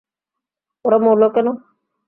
ওরা মরলো কেন?